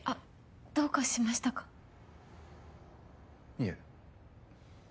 いえ。